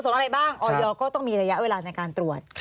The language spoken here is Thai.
ส่วนอะไรบ้างออยก็ต้องมีระยะเวลาในการตรวจ